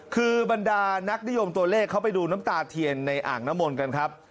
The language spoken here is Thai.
คือบรรดานักนิยมตัวเลขเขาไปดูน้ำตาเทียนในอ่างน้ำมนต์กันครับ